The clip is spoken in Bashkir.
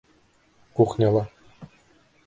Кухняла!